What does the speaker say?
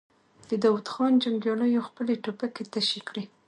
د داوود خان جنګياليو خپلې ټوپکې تشې کړې.